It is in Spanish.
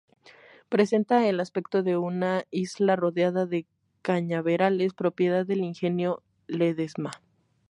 Presenta el aspecto de una isla rodeado de cañaverales propiedad del Ingenio Ledesma.